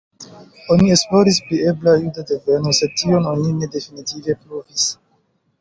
Oni esploris pri ebla juda deveno, sed tion oni ne definitive pruvis.